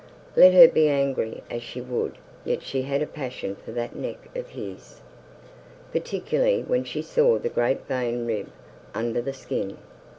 Let her be angry as she would yet she had a passion for that neck of his, particularly when she saw the great vein rib under the skin.